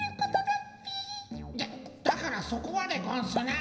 だっだからそこはでゴンスな。